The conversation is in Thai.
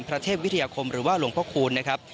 พระเทพวิทยาคมหรือหลวงพระคุณนะครับ